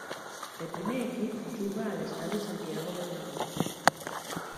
El primer equip juga a l'estadi Santiago Bernabéu.